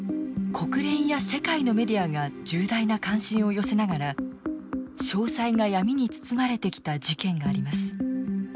国連や世界のメディアが重大な関心を寄せながら詳細が闇に包まれてきた事件があります。